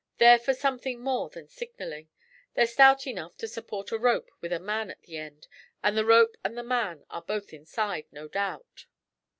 They're for something more than signalling; they're stout enough to support a rope with a man at the end, and the rope and the man are both inside, no doubt.'